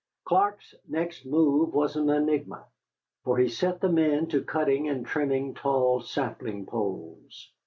Clark's next move was an enigma, for he set the men to cutting and trimming tall sapling poles.